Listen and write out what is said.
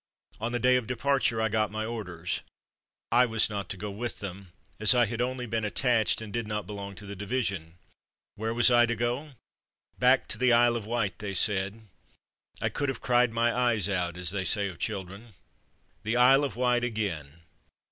On the day of departure I got In '' The Island " Again 73 my orders. I was not to go with them, as I had only been attached and did not belong to the division. Where was I to go? Back to the Isle of Wight, they said. I could have "cried my eyes out'^ as they say of children. The Isle of Wight again!